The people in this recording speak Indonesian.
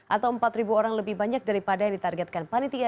atau empat orang lebih banyak daripada yang ditargetkan panitia